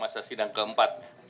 masa sidang keempat